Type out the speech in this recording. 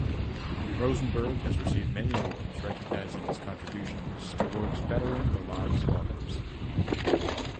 Rosenberg has received many awards recognizing his contributions toward bettering the lives of others.